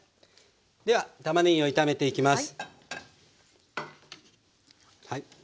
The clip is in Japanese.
ではたまねぎを炒めていきます。